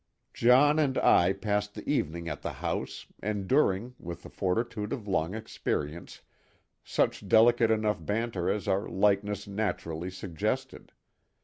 John and I passed the evening at the house, enduring, with the fortitude of long experience, such delicate enough banter as our likeness naturally suggested.